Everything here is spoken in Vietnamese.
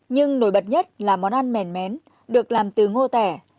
nhưng nổi bật nhất là món ăn mèn mén được làm từ ngô tẻ